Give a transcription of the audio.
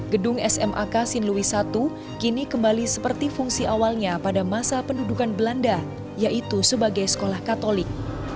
gedung smak sinlui i kini kembali seperti fungsi awalnya pada masa pendudukan belanda yaitu sebagai sekolah katolik